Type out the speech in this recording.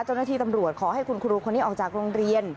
เจ้าหน้าที่ตำรวจขอให้คุณครูคนนี้ออกจากโรงเรียน